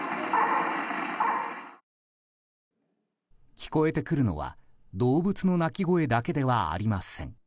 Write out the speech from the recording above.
聞こえてくるのは、動物の鳴き声だけではありません。